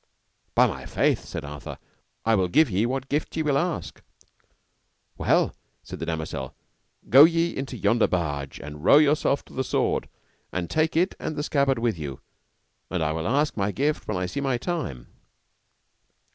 By my faith, said Arthur, I will give you what gift ye will ask. Well! said the damosel, go ye into yonder barge, and row yourself to the sword, and take it and the scabbard with you, and I will ask my gift when I see my time.